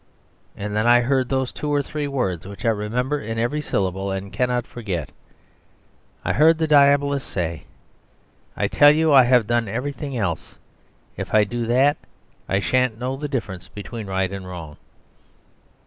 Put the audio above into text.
And then I heard those two or three words which I remember in every syllable and cannot forget. I heard the Diabolist say, "I tell you I have done everything else. If I do that I shan't know the difference between right and wrong."